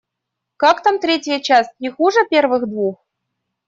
Как там третья часть, не хуже первых двух?